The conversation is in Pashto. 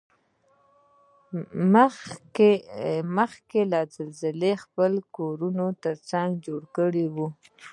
مخکې له زلزلې خپل کورنه څنګه جوړ کوړو؟